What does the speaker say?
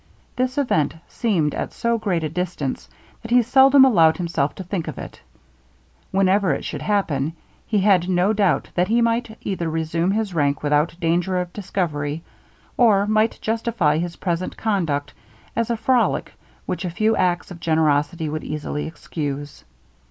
This event seemed at so great a distance, that he seldom allowed himself to think of it. Whenever it should happen, he had no doubt that he might either resume his rank without danger of discovery, or might justify his present conduct as a frolic which a few acts of generosity would easily excuse.